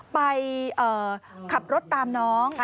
ไปขับรถตามน้อง